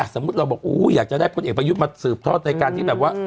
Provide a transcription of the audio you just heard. สมมุติเราบอกอยากจะได้พลเอกประยุทธ์มาสืบทอดในการที่แบบว่า